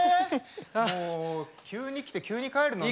もう急に来て急に帰るのね。